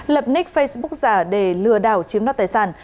lập nick facebook giả để lừa đảo chiếm đoạt tài sản